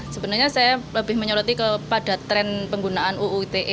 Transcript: sebenarnya saya lebih menyelati kepada tren penggunaan uute